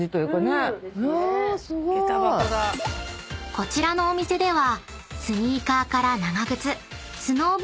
［こちらのお店では］